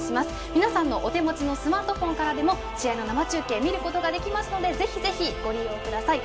皆さんのお手持ちのスマートフォンからでも試合の生中継を見ることができますのでぜひぜひご利用ください。